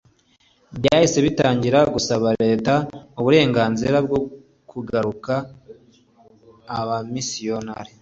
byahise bitangira gusaba leta uburenganzira bwo kugarura abamisiyonari